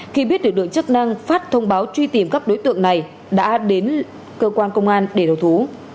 khi biết được lượng chức năng phát thông báo truy tìm các đối tượng này đã đến cơ quan công an để đầu thú